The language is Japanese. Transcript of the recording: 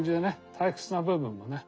退屈な部分もね。